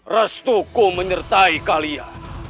restuku menyertai kalian